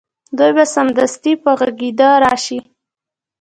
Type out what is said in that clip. دوی به سمدستي په غږېدا راشي